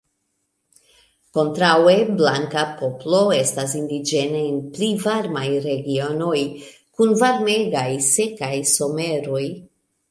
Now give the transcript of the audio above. Kontraŭe, blanka poplo estas indiĝena en pli varmaj regionoj, kun varmegaj, sekaj someroj.